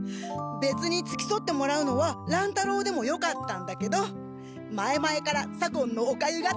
べつにつきそってもらうのは乱太郎でもよかったんだけど前々から左近のおかゆが食べたくて。